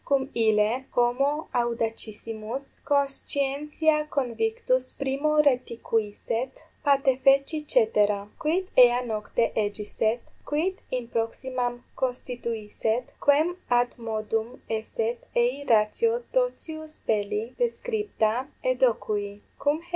Cum ille, homo audacissimus, conscientia convictus primo 13 reticuisset, patefeci cetera: quid ea nocte egisset, quid in proximam constituisset, quem ad modum esset ei ratio totius belli descripta, edocui.